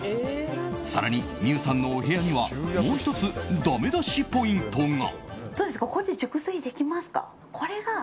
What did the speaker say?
更に、美羽さんのお部屋にはもう１つだめ出しポイントが。